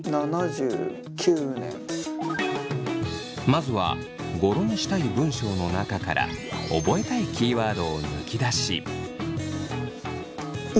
まずは語呂にしたい文章の中から覚えたいキーワードを抜き出し。